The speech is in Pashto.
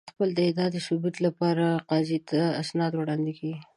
د خپلې ادعا د ثبوت لپاره قاضي ته اسناد وړاندې کېږي.